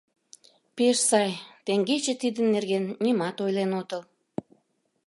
Пеш сай, теҥгече тидын нерген нимат ойлен отыл.